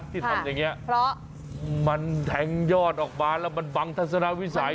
ที่ทำอย่างนี้เพราะมันแทงยอดออกมาแล้วมันบังทัศนวิสัย